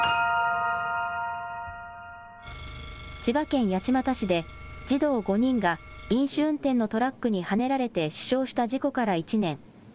千葉県八街市で、児童５人が飲酒運転のトラックにはねられて死傷した事故から１年。